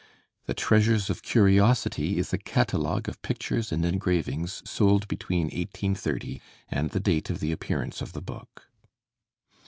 The 'Treasures of Curiosity' is a catalogue of pictures and engravings sold between 1830 and the date of the appearance of the book.